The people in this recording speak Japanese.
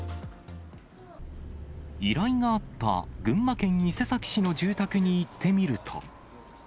依頼があった、群馬県伊勢崎市の住宅に行ってみると。